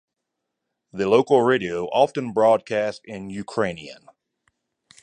The local radio often broadcasts in Ukrainian.